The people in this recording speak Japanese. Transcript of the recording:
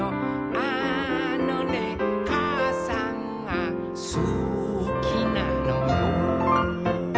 「あのねかあさんがすきなのよ」